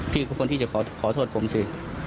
พี่เป็นคนที่จะขอโทษผมสิ